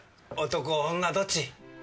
男、女、どっち？